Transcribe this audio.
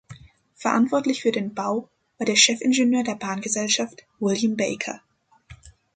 Verantwortlich für den Bau war der Chefingenieur der Bahngesellschaft, William Baker.